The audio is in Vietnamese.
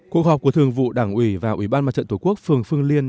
cuộc họp của thường vụ đảng ủy và ủy ban mặt trận tổ quốc phường phương liên